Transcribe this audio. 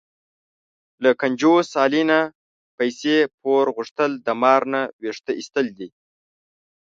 له کنجوس علي نه پیسې پور غوښتل، د مار نه وېښته ایستل دي.